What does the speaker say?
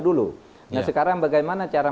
dulu nah sekarang bagaimana cara